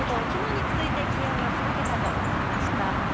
きのうに続いて気温が２桁となりました。